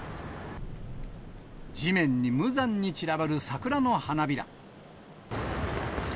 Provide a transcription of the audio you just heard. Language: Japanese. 地面に無残に散らばる桜の花びら。